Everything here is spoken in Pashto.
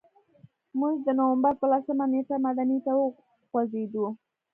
موږ د نوامبر په لسمه نېټه مدینې ته وخوځېدو.